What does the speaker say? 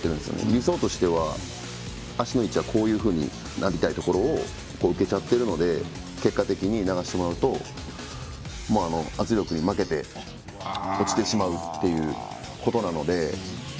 理想としては、足の位置はこういうふうになりたいところ受けちゃってるので結果的に圧力に負けて落ちてしまうっていうことなので。